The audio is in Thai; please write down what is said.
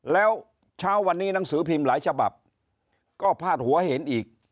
แล้วเช้าวันนี้หนังสือพิมพ์หลายฉบับก็พาดหัวเห็นอีก